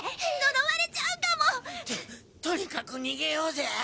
呪われちゃうかも！ととにかく逃げようぜ！